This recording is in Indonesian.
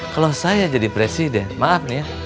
kalau saya jadi presiden maaf nih ya